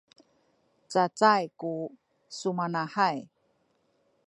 cacay ku sumanahay